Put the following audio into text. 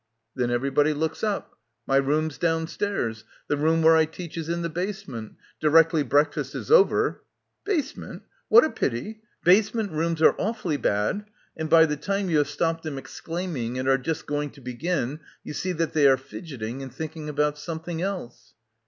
9 Then everybody looks up. 'My room's downstairs, the room where I teach, is in the basement. Directly breakfast is over '" 'Basement ? What a pity ! Basement rooms are awfully bad,' and by the time you have stopped them exclaiming and are just going to be gin, you see that they are fidgetting and thinking about something else."